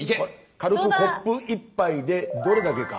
軽くコップ１杯でどれだけか。